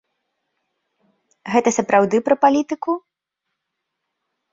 Гэта сапраўды пра палітыку?